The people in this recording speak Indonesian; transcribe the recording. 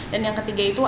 dan yang ketiga itu